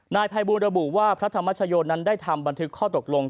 นายพัยบูรบูว่าพระธมาชยนตร์นั้นได้ทำบันทึกข้อตกลง